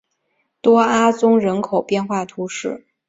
多阿宗人口变化图示